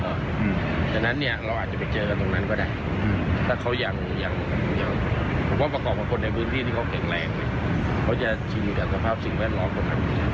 เขาจะชินอยู่กับสภาพสิ่งแวดร้อนตรงนั้น